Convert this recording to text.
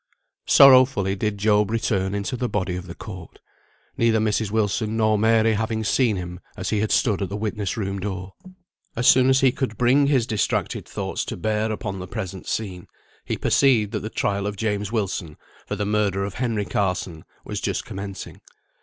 Sorrowfully did Job return into the body of the court; neither Mrs. Wilson nor Mary having seen him as he had stood at the witness room door. As soon as he could bring his distracted thoughts to bear upon the present scene, he perceived that the trial of James Wilson for the murder of Henry Carson was just commencing.